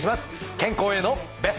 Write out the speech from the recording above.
健康へのベスト。